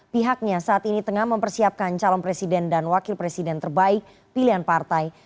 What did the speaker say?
pihaknya saat ini tengah mempersiapkan calon presiden dan wakil presiden terbaik pilihan partai